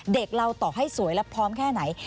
เด็กเราต่อให้สวยและพร้อมแค่ไหน